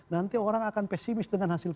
nanti orang akan pesimis dengan hasil